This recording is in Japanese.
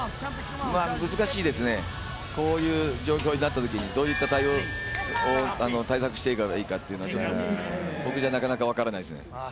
難しいですね、こういう状況になったときにどういった対策していけばいいか僕じゃなかなか分からないですね。